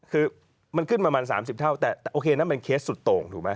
คือมันขึ้นประมาณ๓๐เท่าแต่โอเคนั่นเป็นเคสสุดโต่ง